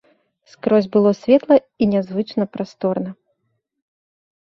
Скрозь было светла і нязвычна прасторна.